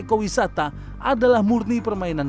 eko wisata adalah murni permainan